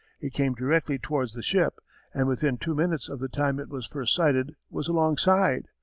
It came directly towards the ship, and within two minutes of the time it was first sighted was alongside.